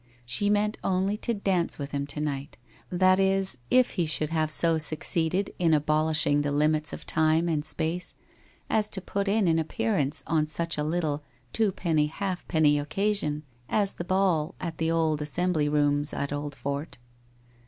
She meant only to dance with him to night, that is, if he should have so succeeded in abolishing the limits of time and space as to put in an appearance on such a little twopenny halfpenny occasion as the ball at the Old Assembly Rooms at Old fort.